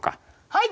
はい！